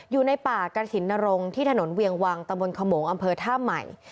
อยู่ในป่ากระถิ่นนรงค์ที่ถนนเวียงวังตะบนขโมงอำเภอท่าใหม่